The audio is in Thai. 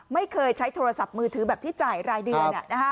ไม่เคยใช้โทรศัพท์มือถือแบบที่จ่ายรายเดือน